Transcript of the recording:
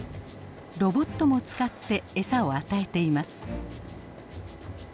ロボットも使って餌を与えています。